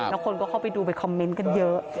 แล้วคนก็เข้าไปดูไปคอมเมนต์กันเยอะ